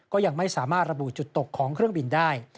ก็ยังไม่สามารถระบุจุดตกของเครื่องบินได้